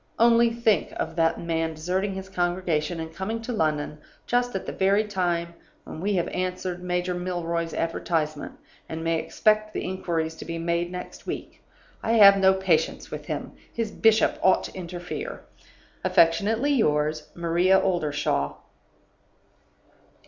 Only think of that man deserting his congregation, and coming to London just at the very time when we have answered Major Milroy's advertisement, and may expect the inquiries to be made next week! I have no patience with him; his bishop ought to interfere. "Affectionately yours, "MARIA OLDERSHAW."